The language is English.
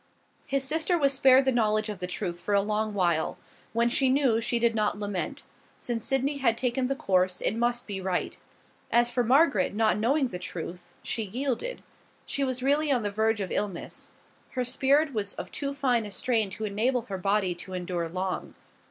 His sister was spared the knowledge of the truth for a long while. When she knew, she did not lament; since Sydney had taken the course, it must be right. As for Margaret, not knowing the truth, she yielded. She was really on the verge of illness. Her spirit was of too fine a strain to enable her body to endure long.